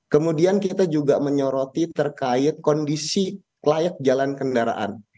kemudian kita juga menyoroti terkait kondisi layak jalan kendaraan